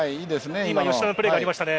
今、吉田のプレーがありましたね。